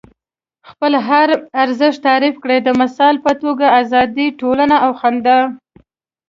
خپل هر ارزښت تعریف کړئ. د مثال په توګه ازادي، ټولنه او خندا.